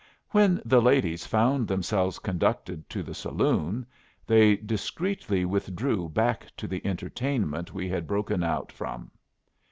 When the ladies found themselves conducted to the saloon, they discreetly withdrew back to the entertainment we had broken out from.